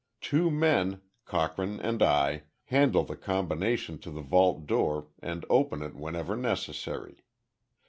Two men Cochrane and I handle the combination to the vault door and open it whenever necessary.